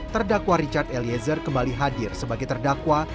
terdakwa richard eliezer kembali hadir sebagai terdakwa